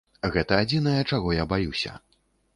Гэта адзінае, чаго я баюся.